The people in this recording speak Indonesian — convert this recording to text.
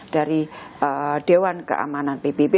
dari dewan keamanan pbb